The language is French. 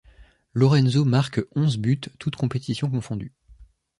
Lorenzo marque onze buts toutes compétitions confondues.